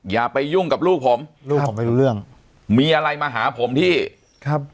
อย่าไปยุ่งกับลูกผมลูกผมไม่รู้เรื่องมีอะไรมาหาผมที่ครับ